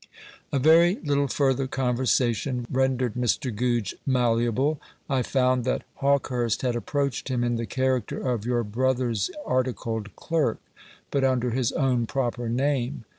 A very little further conversation rendered Mr. Goodge malleable. I found that Hawkehurst had approached him in the character of your brother's articled clerk, but under his own proper name.